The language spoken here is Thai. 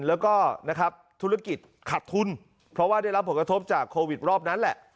แล้วก็นะครับธุรกิจขัดทุนเพราะว่าได้รับผลกระทบจากโควิดรอบนั้นแหละ